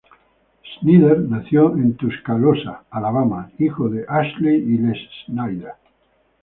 Snyder nació en Tuscaloosa, Alabama, hijo de Ashley y Les Snyder.